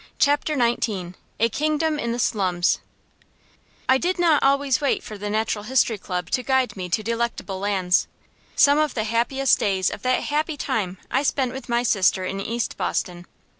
CHAPTER XIX A KINGDOM IN THE SLUMS I did not always wait for the Natural History Club to guide me to delectable lands. Some of the happiest days of that happy time I spent with my sister in East Boston.